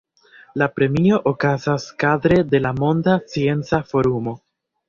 La premio okazas kadre de la Monda Scienca Forumo.